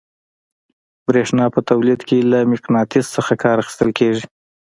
برېښنا په تولید کې له مقناطیس څخه کار اخیستل کیږي.